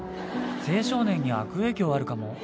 青少年に悪影響あるかも。